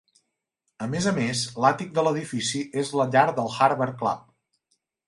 A més a més, l'àtic de l'edifici és la llar del Harvard Club.